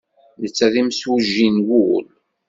Netta d imsuji n wul.